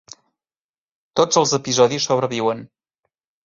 Tots els episodis sobreviuen.